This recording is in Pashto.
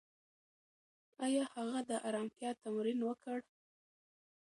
ایا هغه د ارامتیا تمرین وکړ؟